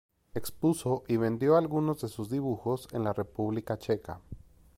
Expuso y vendió algunos de sus dibujos en la República Checa.